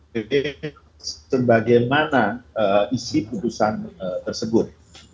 jadi bagaimana isi putusan tersebut